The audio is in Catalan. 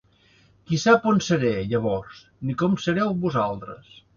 Qui sap on seré, llavors, ni com sereu vosaltres.